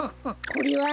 これは？